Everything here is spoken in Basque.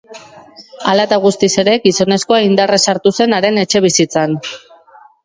Hala eta guztiz ere, gizonezkoa indarrez sartu zen haren etxebizitzan.